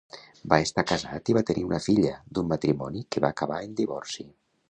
Va estar casat i va tenir una filla, d’un matrimoni que va acabar en divorci.